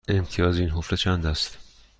امتیاز این حفره چند است؟